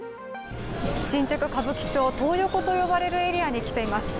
新宿歌舞伎町、トー横と呼ばれるエリアに来ています